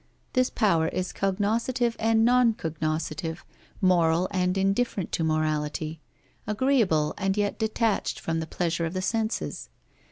This power is cognoscitive and non cognoscitive, moral and indifferent to morality, agreeable and yet detached from the pleasure of the senses.